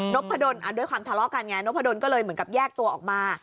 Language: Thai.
พะดนด้วยความทะเลาะกันไงนพดลก็เลยเหมือนกับแยกตัวออกมา